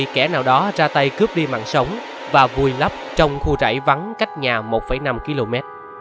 kẻ nào đó ra tay cướp đi mạng sống và vùi lấp trong khu rảy vắng cách nhà một năm km